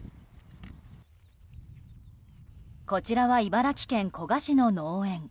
こちらは茨城県古河市の農園。